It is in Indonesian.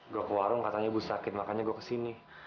gua ke warung katanya ibu sakit makanya gua kesini